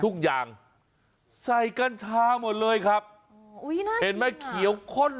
ทุกอย่างใส่กัญชามันล่ะครับอุ้ยน่าจะเงียบเห็นไหมเขียวข้น